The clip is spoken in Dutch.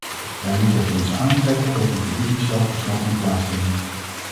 Wij moeten het ons aantrekken dat die verdiepingsslag alsnog moet plaatsvinden.